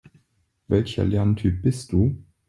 Welcher Lerntyp bist du?